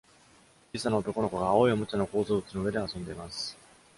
小さな男の子が青いおもちゃの構造物の上で遊んでいます